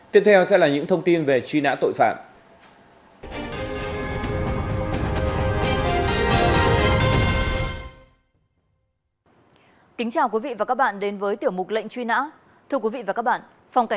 tiếp theo sẽ là những thông tin về truy nã tội phạm